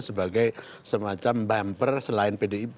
sebagai semacam bumper selain pdip